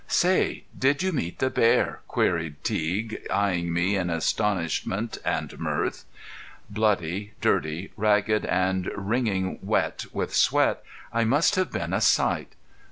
"Say, did you meet the bear?" queried Teague, eyeing me in astonishment and mirth. Bloody, dirty, ragged and wringing wet with sweat I must have been a sight.